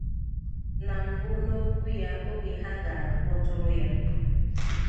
Na mbụ n'okwu ya oge ha gara kpọtụrụ ya